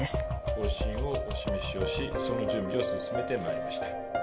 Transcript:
方針をお示しをしその準備を進めて参りました。